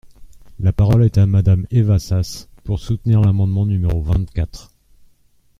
La parole est à Madame Eva Sas, pour soutenir l’amendement numéro vingt-quatre.